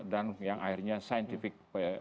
dan yang akhirnya scientific